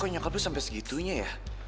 kau nyangka lo sampe segitunya ya